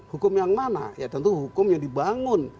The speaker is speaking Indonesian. hukum yang mana ya tentu hukum yang dibangun